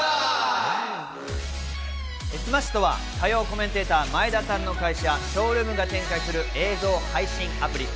ｓｍａｓｈ．とは火曜コメンテーター・前田さんの会社、ＳＨＯＷＲＯＯＭが展開する映像配信アプリ。